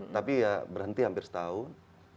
tapi ya berhenti hampir setahun